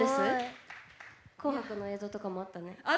「紅白」の映像とかもあったね。